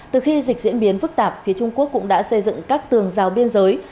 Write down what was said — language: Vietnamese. từ khi dịch diễn biến phức tạp phía trung quốc cũng đã xây dựng các tường rào biên giới